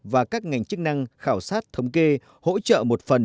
và các ngành chức năng khảo sát thống kê hỗ trợ một phần